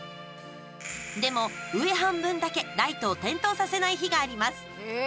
でも、上半分だけライトを点灯させない日があります。